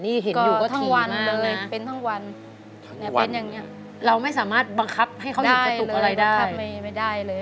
นี่เห็นอยู่ก็ถี่มากนะป้านี่ก็ทั้งวันเลยเป็นทั้งวันเป็นอย่างเนี่ยเราไม่สามารถบังคับให้เขาอยู่กระตุกอะไรได้ได้เลยบังคับไม่ได้เลย